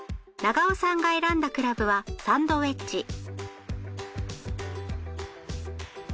永尾さんが選んだクラブはサンドウェッジ。